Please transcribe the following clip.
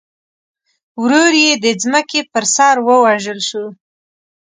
ورور یې د ځمکې پر سر ووژل شو.